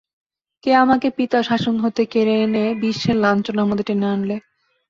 কে আমাকে পিতার শাসন হতে কেড়ে এনে বিশ্বের লাঞ্ছনার মধ্যে টেনে আনলে।